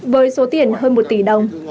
với số tiền hơn một tỷ đồng